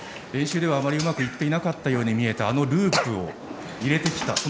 練習ではあまりうまくいってなかったように見えたあのループを入れてきた。